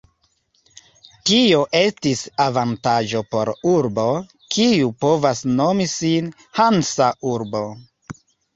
Tio estis avantaĝo por urbo, kiu povas nomi sin hansa urbo.